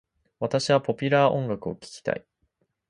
私はポピュラー音楽を聞きたい。